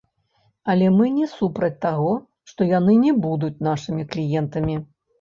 Але мы не супраць таго, што яны не будуць нашымі кліентамі.